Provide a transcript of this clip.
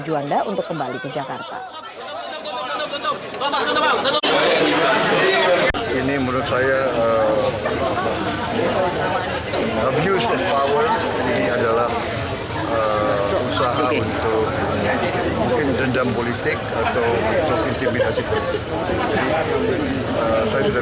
bandara internasional juanda untuk kembali ke jakarta